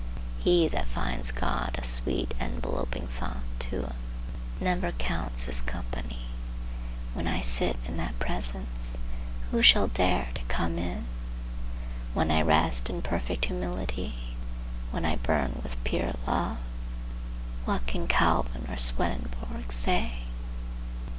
He that finds God a sweet enveloping thought to him never counts his company. When I sit in that presence, who shall dare to come in? When I rest in perfect humility, when I burn with pure love, what can Calvin or Swedenborg say?